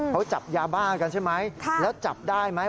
เขาจับยาบ้ากันใช่ไหมแล้วจับได้ไหม